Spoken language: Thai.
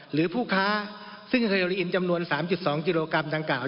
หรือผู้ค้าซึ่งเฮโลอินจำนวน๓๒กิโลกรัมดังกล่า